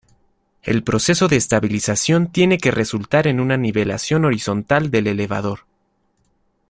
El proceso de estabilización tiene que resultar en una nivelación horizontal del elevador.